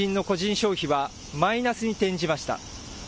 消費はマイナスに転じました。